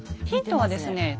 ヒントはですね